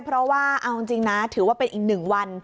เพราะว่าเอาจริงนะถือว่าเป็นอีกหนึ่งวัน